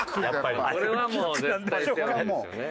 これはもう絶対しちゃうんですよね。